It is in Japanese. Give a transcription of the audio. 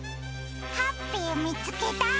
ハッピーみつけた！